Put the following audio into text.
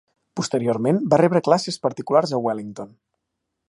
Posteriorment va rebre classes particulars a Wellington.